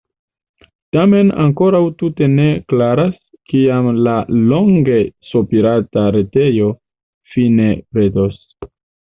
Tamen ankoraŭ tute ne klaras, kiam la longe sopirata retejo fine pretos.